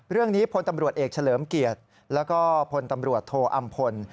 เรื่องนี้ผลตำรวจเอกเฉลิมเกียรติและก็ผลตำรวจโถอำพล